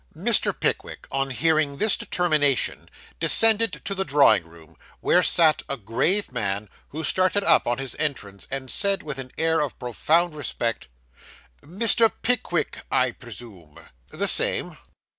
Mr. Pickwick, on hearing this determination, descended to the drawing room, where sat a grave man, who started up on his entrance, and said, with an air of profound respect: 'Mr. Pickwick, I presume?' 'The same.